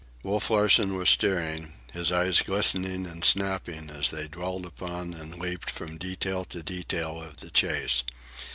Wolf Larsen was steering, his eyes glistening and snapping as they dwelt upon and leaped from detail to detail of the chase.